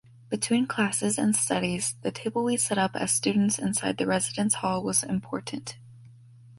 Between classes and studies, the table we set up as students inside the residence hall was important.